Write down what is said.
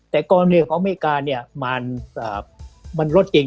แต่กรณีของอเมริกาเนี่ยมันลดจริง